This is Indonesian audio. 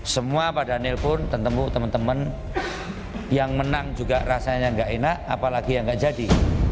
semua pada nelpon ketemu teman teman yang menang juga rasanya nggak enak apalagi yang nggak jadi